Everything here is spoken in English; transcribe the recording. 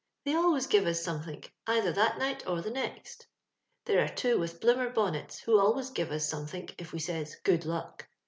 they always give us some think either that night or the next There are two with Uloomer bonnets, who always give us Bomethink if we says ' Good luok.'